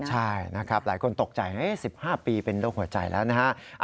ใช่นะครับหลายคนตกใจ๑๕ปีเป็นโรคหัวใจแล้วนะฮะ